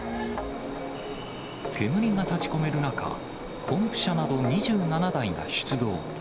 煙が立ちこめる中、ポンプ車など２７台が出動。